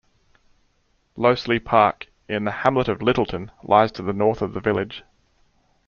Loseley Park, in the hamlet of Littleton, lies to the north of the village.